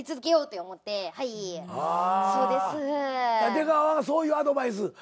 出川はそういうアドバイス。